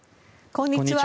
こんにちは。